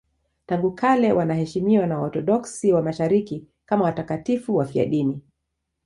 Tangu kale wanaheshimiwa na Waorthodoksi wa Mashariki kama watakatifu wafiadini.